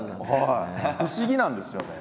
不思議なんですよね。